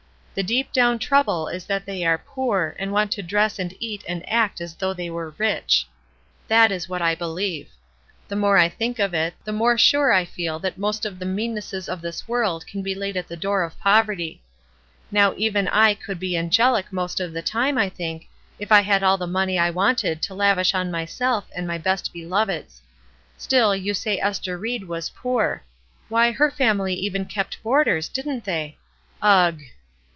The deep down trouble is that they are poor, and want to dress and eat and act as though they were rich ; that is what I beUeve. The more I think of it, the more sxire I feel that most of the meannesses of this world can be laid at the door of poverty. Now even I could be angelic most of the time, I think, if I had all the money I wanted to lavish on myself and my best beloveds. Still, you say Ester Ried was poor. Why, her family even kept boarders, didn't they? Ugh!